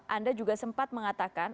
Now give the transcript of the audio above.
anda juga sempat mengatakan